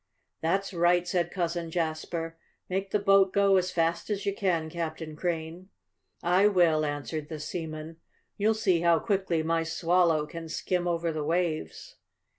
"That's right," said Cousin Jasper. "Make the boat go as fast as you can, Captain Crane." "I will," answered the seaman. "You'll see how quickly my Swallow can skim over the waves."